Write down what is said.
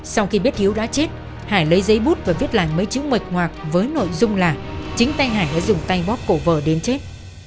sau khi biết hiếu đã chết hải lấy giấy bút và viết lại mấy chữ mệch ngoạc với nội dung là chính tay hải đã dùng tay bóp cổ vờ đến chết